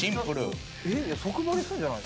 即バレするんじゃない？